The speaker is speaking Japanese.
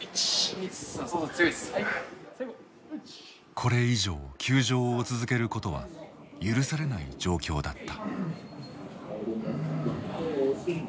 これ以上休場を続けることは許されない状況だった。